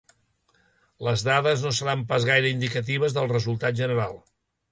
Les dades no seran pas gaire indicatives del resultat general.